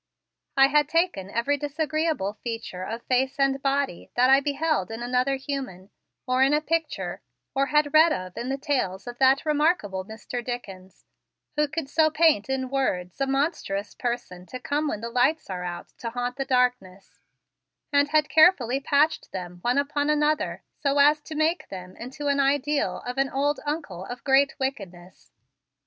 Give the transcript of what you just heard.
I had taken every disagreeable feature of face and body that I had beheld in another human, or in a picture, or had read of in the tales of that remarkable Mr. Dickens, who could so paint in words a monstrous person to come when the lights are out to haunt the darkness, and had carefully patched them one upon another so as to make them into an ideal of an old Uncle of great wickedness.